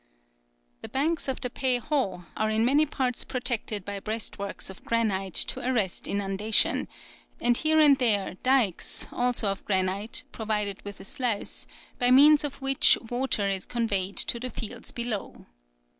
The banks of the Pei Ho are in many parts protected by breastworks of granite, to arrest inundation, and here and there dikes, also of granite, provided with a sluice, by means of which water is conveyed to the fields below.